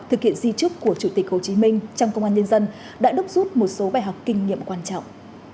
thực hiện di trúc của chủ tịch hồ chí minh trong công an nhân dân đã đúc rút một số bài học kinh nghiệm quan trọng